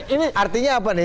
ini artinya apa nih